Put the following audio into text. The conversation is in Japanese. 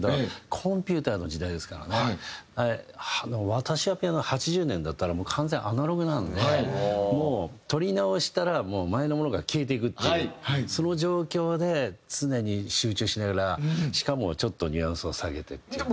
『私はピアノ』８０年だったらもう完全にアナログなんでもう録り直したら前のものが消えていくっていうその状況で常に集中しながらしかもちょっとニュアンスを下げてっていう。